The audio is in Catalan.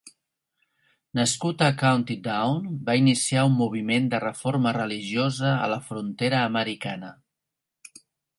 Nascut a County Down, va iniciar un moviment de reforma religiosa a la frontera americana.